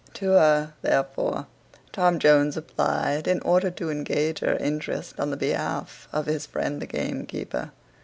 To her, therefore, Tom Jones applied, in order to engage her interest on the behalf of his friend the gamekeeper.